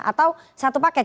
atau satu paket